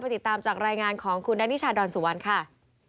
ติดตามจากรายงานของคุณดานิชาดอนสุวรรณค่ะ